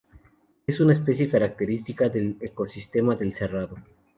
Es una especie característica del ecosistema del cerrado.